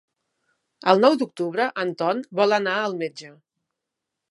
El nou d'octubre en Ton vol anar al metge.